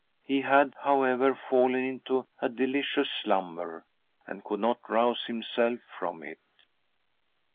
He had, however, fallen into a delicious slumber, and could not rouse himself from it.